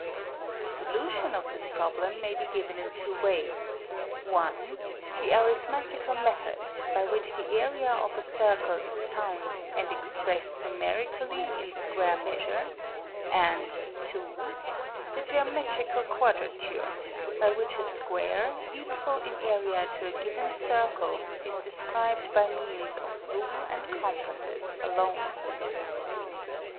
The solution of this problem may be given in two ways : (1) the arithmetical method, by which the area of a circle is found and expressed numerically in square measure, and (2) the geometrical quadrature, by which a square, equal in area to a given circle, is described by means of rule and compasses alone.